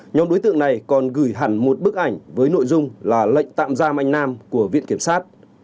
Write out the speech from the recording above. nhóm đối tượng này còn gửi hẳn một bức ảnh với nội dung là lệnh tạm giam anh nam của viện kiểm sát